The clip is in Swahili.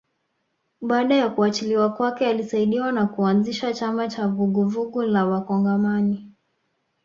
Baada ya kuachiliwa kwake alisaidiwa na kuanzisha chama cha Vuguvugu la Wakongomani